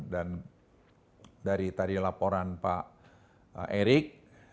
dan dari tadi laporan pak erik